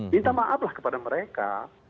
minta maaflah kepada mereka